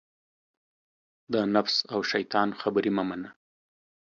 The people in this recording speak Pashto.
د نفس او دشیطان خبرې مه منه